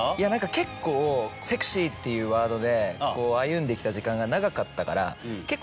結構「セクシー」っていうワードで歩んできた時間が長かったから結構。